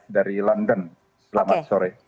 dari london selamat sore